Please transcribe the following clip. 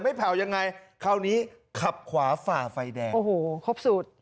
แผ่วยังไงคราวนี้ขับขวาฝ่าไฟแดงโอ้โหครบสูตร